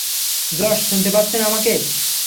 Josh, শুনতে পাচ্ছেন আমাকে?